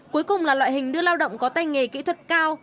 cuối cùng là loại hình đưa lao động có tay nghề kỹ thuật cao